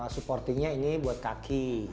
supportingnya ini buat kaki